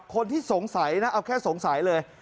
คนที่สงสัยนะเอาแค่สงสัยเลย